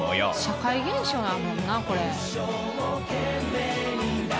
社会現象やもんなこれ。